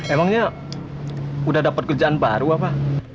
emangnya udah dapat kerjaan baru apa